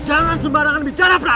jangan sembarangan bicara pram